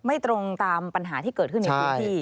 ไม่ตรงตามปัญหาที่เกิดขึ้นในพื้นที่